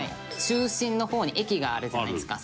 中心の方に駅があるじゃないですか